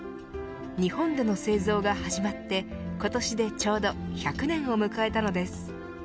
日本での製造が始まって今年でちょうど１００年を迎えたのです。